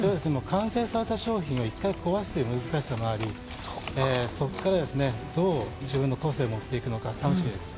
完成された商品を一回壊すという難しさもありそっかそっからですねどう自分の個性を持っていくのか楽しみです